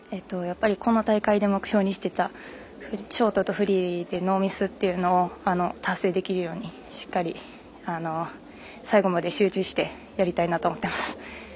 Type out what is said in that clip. この大会で目標にしてたショートとフリーでノーミスというのを達成できるようにしっかり、最後まで集中してやりたいなと思ってます。